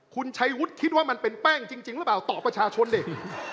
คุณชัยวุฒิคิดว่ามันเป็นแป้งจริงหรือเปล่าต่อประชาชนดิ